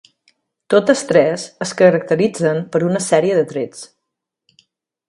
Totes tres es caracteritzen per una sèrie de trets.